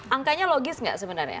angkanya logis nggak sebenarnya